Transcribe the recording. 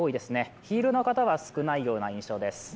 ヒールの方は少ないような印象です。